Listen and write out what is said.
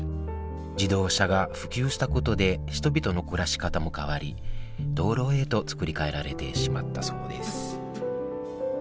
自動車が普及したことで人々の暮らし方も変わり道路へと造り替えられてしまったそうです